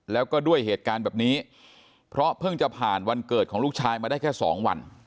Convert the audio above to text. แล้วก็ด้วยเหตุการณ์แบบนี้เพราะเพิ่งจะผ่านวันเกิดของลูกชายมาได้แค่สองวัน